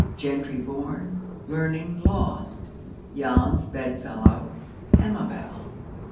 GENTRY BORN.—LEARNING LOST.—JAN'S BEDFELLOW.—AMABEL.